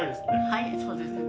はいそうですね。